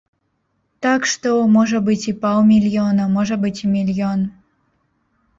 Так што, можа быць і паўмільёна, можа быць, і мільён.